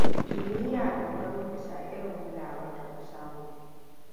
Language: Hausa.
Kimiyya dogara bisa irin kulawar da samu.